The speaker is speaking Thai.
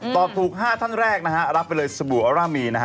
ตอบถูก๕ท่านแรกลับไปเลยสบู่อระมี